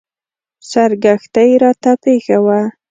سرګښتۍ راته پېښه وه.